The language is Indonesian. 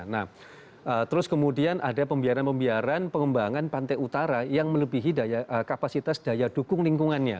nah terus kemudian ada pembiaran pembiaran pengembangan pantai utara yang melebihi kapasitas daya dukung lingkungannya